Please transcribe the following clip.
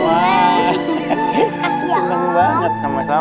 wah pasti senang banget sama sama